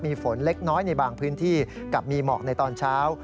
มีฝนเล็กน้อยในบางพื้นที่กับมีหมอกในตอนเช้า